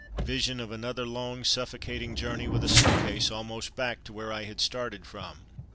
(Vision of another long, suffocating journey with a suit case, almost back to where I had started from.)